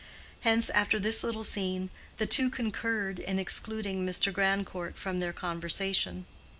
Hence, after this little scene, the two concurred in excluding Mr. Grandcourt from their conversation.